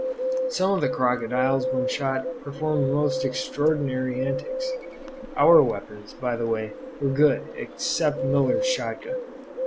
Some of the crocodiles when shot performed most extraordinary antics. Our weapons, by the way, were good, except Miller's shotgun.